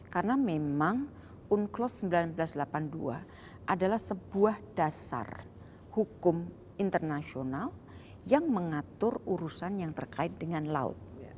karena memang unclosed seribu sembilan ratus delapan puluh dua adalah sebuah dasar hukum internasional yang mengatur urusan yang terkait dengan laut